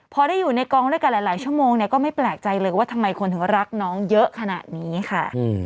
พอได้อยู่ในกองด้วยกันหลายชั่วโมงเนี่ยก็ไม่แปลกใจเลยว่าทำไมคนถึงรักน้องเยอะขนาดนี้ค่ะ